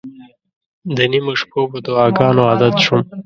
د نیمو شپو په دعاګانو عادت شوم.